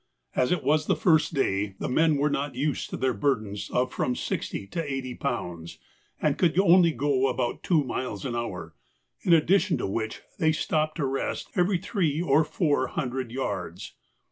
As it was the first day, the men were not used to their burdens of from sixty to eighty pounds, and could only go about two miles an hour, in addition to which they stopped to rest every three or four hundred yards.